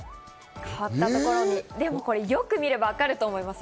でもよく見ればわかると思います。